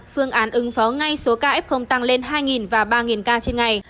phương án ứng phó ngay số kf tăng lên hai và ba ca trên ngày